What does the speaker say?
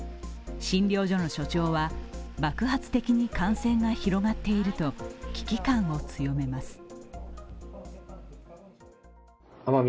診療所の所長は爆発的に感染が広がっていると危機感を強めます。